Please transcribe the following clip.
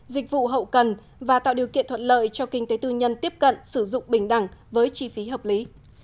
dịch vụ hậu cần và tạo điều kiện thuận lợi cho kinh tế tư nhân tiếp cận sử dụng bình đẳng với chi phí hợp lý